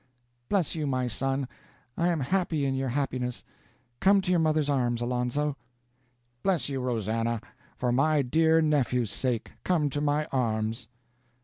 "Bless you, my son! I am happy in your happiness. Come to your mother's arms, Alonzo!" "Bless you, Rosannah, for my dear nephew's sake! Come to my arms!"